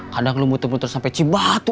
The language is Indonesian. kadang lo muter muter sampai cibat tuh